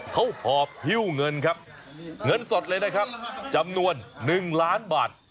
เขาหอบฮิ้วเงินครับเงินสดเลยนะครับจำนวน๑ล้านบาท